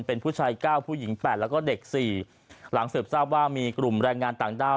เป็นผู้ชายเก้าผู้หญิง๘แล้วก็เด็กสี่หลังสืบทราบว่ามีกลุ่มแรงงานต่างด้าว